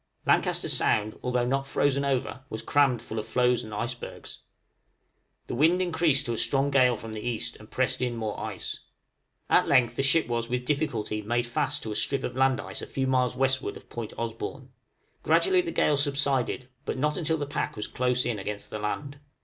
Lancaster Sound, although not frozen over, was crammed full of floes and icebergs. The wind increased to a strong gale from the east, and pressed in more ice. At length the ship was with difficulty made fast to a strip of land ice a few miles westward of Point Osborn. Gradually the gale subsided, but not until the pack was close in against the land.